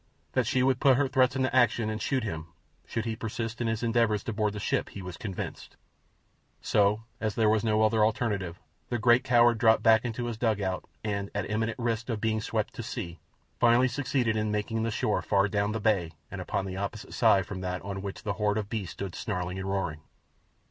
That she would put her threats into action and shoot him should he persist in his endeavour to board the ship he was convinced. So, as there was no other alternative, the great coward dropped back into his dugout and, at imminent risk of being swept to sea, finally succeeded in making the shore far down the bay and upon the opposite side from that on which the horde of beasts stood snarling and roaring.